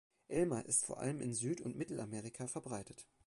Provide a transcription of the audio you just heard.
Elma ist vor allem in Süd- und Mittelamerika verbreitet.